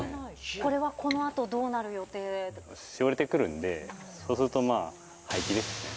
これはこのあと、どうなる予しおれてくるんで、そうするとまあ、廃棄ですね。